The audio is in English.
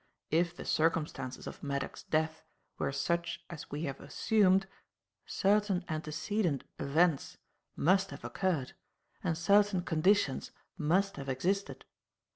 If the circumstances of Maddock's death were such as we have assumed, certain antecedent events must have occurred and certain conditions must have existed.